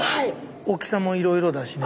大きさもいろいろだしね。